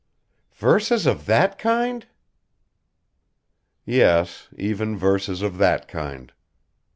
"Verses of that kind?" Yes... even verses of that kind.